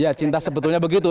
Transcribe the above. ya cinta sebetulnya begitu